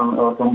sudah sudah ya